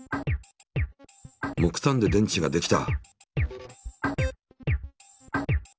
木炭で電池が出来た！